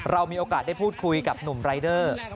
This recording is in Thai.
เรามีโอกาสได้พูดคุยกับหนุ่มรายเดอร์